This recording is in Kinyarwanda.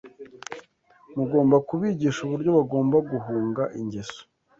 Mugomba kubigisha uburyo bagomba guhunga ingeso